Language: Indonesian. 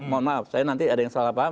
mohon maaf saya nanti ada yang salah paham